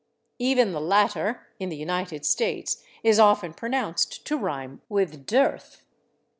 Even the latter, in the United States, is often pronounced to rhyme with /dearth